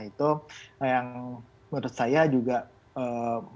itu yang menurut saya juga ee